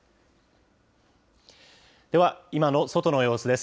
では、今の外の様子です。